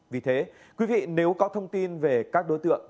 vì thế quý vị nếu có thông tin về các đối tượng